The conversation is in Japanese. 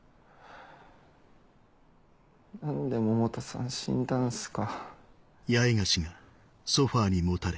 何で百田さん死んだんすか。